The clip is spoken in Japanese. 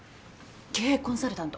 経営コンサルタント。